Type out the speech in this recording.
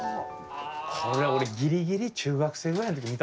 これ俺ギリギリ中学生ぐらいの時見たことあるな。